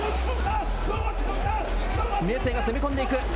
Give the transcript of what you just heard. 明生が攻め込んでいく。